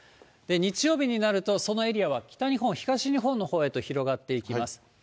日曜日になると、そのエリアは北日本、東日本のほうへと広がっていきます。